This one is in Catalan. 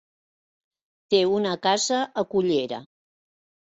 Té una casa a Cullera.